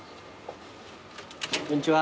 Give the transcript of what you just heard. こんにちは。